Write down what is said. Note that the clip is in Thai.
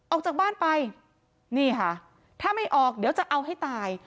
ออกจากบ้านไปนี่ค่ะถ้าไม่ออกเดี๋ยวจะเอาให้ตาย